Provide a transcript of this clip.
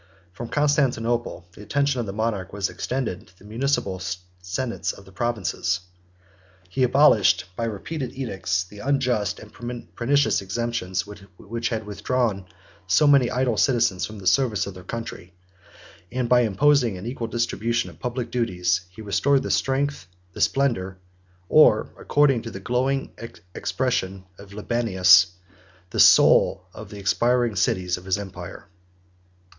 From Constantinople, the attention of the monarch was extended to the municipal senates of the provinces. He abolished, by repeated edicts, the unjust and pernicious exemptions which had withdrawn so many idle citizens from the services of their country; and by imposing an equal distribution of public duties, he restored the strength, the splendor, or, according to the glowing expression of Libanius, 77 the soul of the expiring cities of his empire.